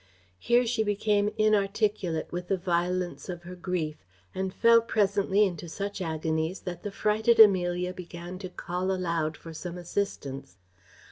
Here she became inarticulate with the violence of her grief, and fell presently into such agonies, that the frighted Amelia began to call aloud for some assistance.